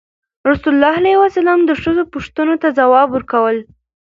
رسول ﷺ د ښځو پوښتنو ته ځوابونه ورکول.